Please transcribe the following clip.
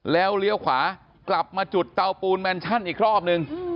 แล้วเลี้ยวขวากลับมาจุดเตาปูนแมนชั่นอีกรอบนึง